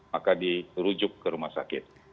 maka dirujuk ke rumah sakit